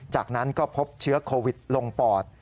จากนั้นก็พบเชื้อโควิดลงปอด